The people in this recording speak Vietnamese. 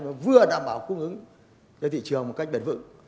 nó vừa đảm bảo cung ứng cho thị trường một cách bền vững